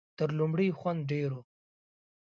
تر لومړي یې خوند ډېر وي .